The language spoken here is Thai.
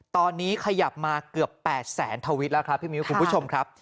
ตอนนี้ขยับมาเกือบ๘แสนทวิตแล้วครับพี่มิ้วคุณผู้ชมครับ